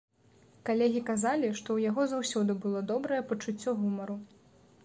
Калегі казалі, што ў яго заўсёды было добрае пачуццё гумару.